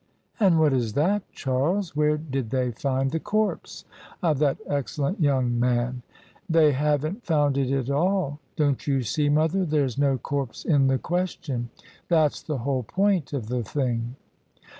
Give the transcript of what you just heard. "And what is that, Charles? Where did they find the corpse of that excellent young man ?"" They haven't found it at all. Don't you see, mother, there's no corpse in the question? That's the whole point of the thing."